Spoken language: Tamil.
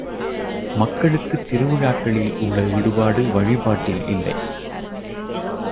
மக்களுக்குத் திருவிழாக்களில் உள்ள ஈடுபாடு வழிபாட்டில் இல்லை.